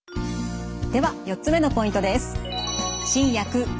では４つ目のポイントです。